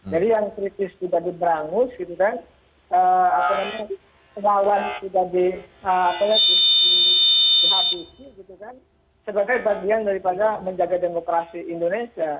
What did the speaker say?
jadi yang kritis juga diberangus gitu kan atau yang kemauan juga dihabisi gitu kan sebagai bagian daripada menjaga demokrasi indonesia